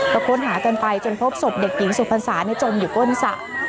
ก็ค้นหากันไปจนพบศพเด็กหญิงสุพรรษาจมอยู่ก้นสระ